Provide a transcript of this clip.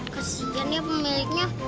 kesian ya pemiliknya